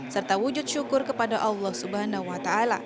serta wujud syukur kepada allah swt